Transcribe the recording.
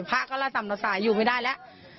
พระก็ระสำละสายอยู่ไม่ได้แล้ว